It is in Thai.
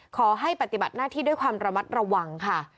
ขอให้ปฏิบัติหน้าที่ด้วยความระมัดระวังค่ะ